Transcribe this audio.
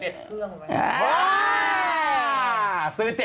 ได้๗เครื่องเลย